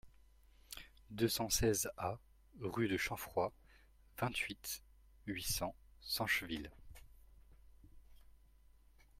deux cent seize A rue de Champfroid, vingt-huit, huit cents, Sancheville